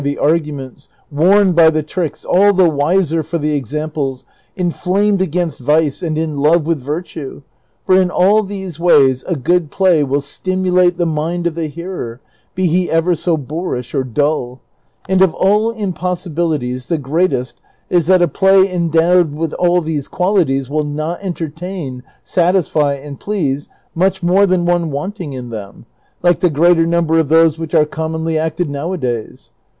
sharpened by tlie arguments, warned by the tricks, all the wiser for the examples, inflamed against vice, and in love with virtue ; for in all these ways a good play will stimulate the mind of the hearer, be he ever so boorish or dull ; and of all impossibilities the greatest is that a play endowed with all these qualities will not entertain, satisfy, and please much more than one wanting in them, like the greater number of those which are commonly acted now a days.